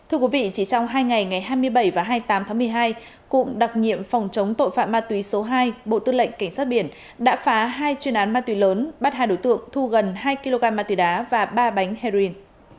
thưa quý vị chỉ trong hai ngày ngày hai mươi bảy và hai mươi tám tháng một mươi hai cụm đặc nhiệm phòng chống tội phạm ma túy số hai bộ tư lệnh cảnh sát biển đã phá hai chuyên án ma túy lớn bắt hai đối tượng thu gần hai kg ma túy đá và ba bánh heroin